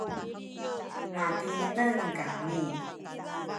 matineng kami